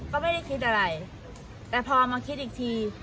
ก็ไม่ได้คิดอะไรแต่พอมาคิดอีกที